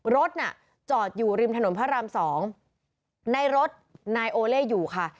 รถน่ะจอดอยู่ริมถนนพระรามสองในรถนายโอเล่อยู่ค่ะ